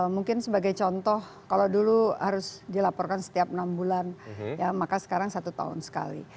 mungkin sebagai contoh kalau dulu harus dilaporkan setiap enam bulan ya maka sekarang satu tahun sekali